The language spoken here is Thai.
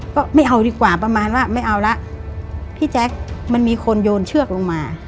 ก็ไม่เอาดีกว่าประมาณว่าไม่เอาละพี่แจ๊คมันมีคนโยนเชือกลงมา